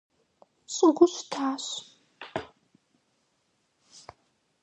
Щӏыгур щтащ.